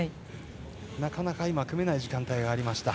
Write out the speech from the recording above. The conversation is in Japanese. なかなか組めない時間帯がありました。